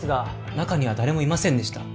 中には誰もいませんでした